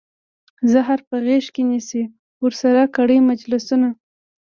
زهره په غیږ کې نیسي ورسره کړي مجلسونه